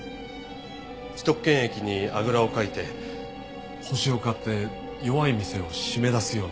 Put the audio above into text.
既得権益にあぐらをかいて星を買って弱い店を締め出すようなまね。